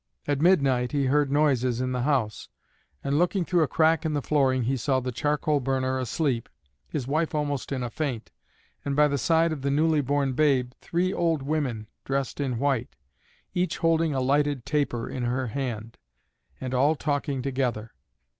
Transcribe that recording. At midnight he heard noises in the house, and looking through a crack in the flooring he saw the charcoal burner asleep, his wife almost in a faint, and by the side of the newly born babe three old women dressed in white, each holding a lighted taper in her hand, and all talking together.